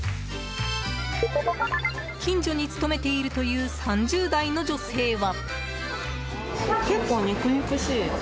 近所に勤めているという３０代の女性は。